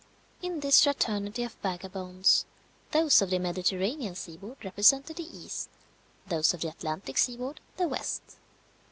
In this fraternity of vagabonds, those of the Mediterranean seaboard represented the East, those of the Atlantic seaboard the West.